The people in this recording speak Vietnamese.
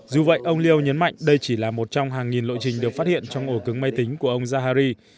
dù vậy ông leo nhấn mạnh đây chỉ là một trong hàng nghìn lộ trình được phát hiện trong ổ cứng máy tính của ông zhari